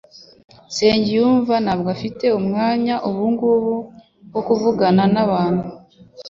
Nsengiyumva ntabwo afite umwanya ubungubu wo kuvugana numuntu.